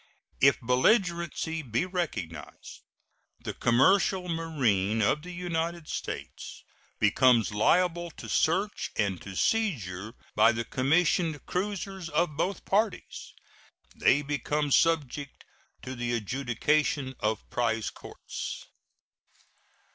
If belligerency be recognized, the commercial marine of the United States becomes liable to search and to seizure by the commissioned cruisers of both parties; they become subject to the adjudication of prize courts.